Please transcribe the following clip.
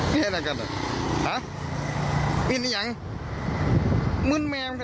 ฮิ้หิ้ฮีหิ้เห้นอย่างเหมือนแมมสะ